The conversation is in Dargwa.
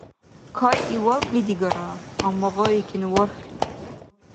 Кайи валкӀли-дигара, амма гъайикӀен вархьли.